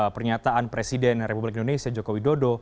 pernyataan presiden republik indonesia jokowi dodo